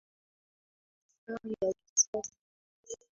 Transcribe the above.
Magari ya kisasa.